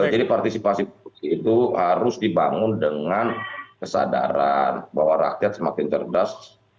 jadi partisipasi politik itu harus dibangun dengan kesadaran bahwa rakyat semakin cerdas